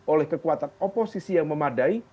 oleh kekuatan oposisi yang memadai